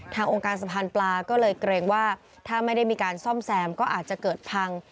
องค์การสะพานปลาก็เลยเกรงว่าถ้าไม่ได้มีการซ่อมแซมก็อาจจะเกิดพัง